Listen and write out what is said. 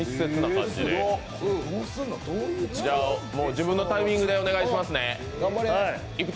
自分のタイミングでお願いしますね。